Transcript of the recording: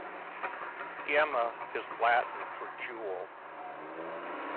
"Gemma" is Latin for "jewel".